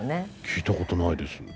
聞いたことないです。